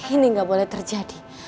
ini ga boleh terjadi